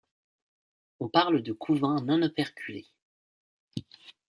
On parle de couvain non operculé.